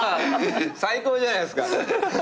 最高じゃないっすか。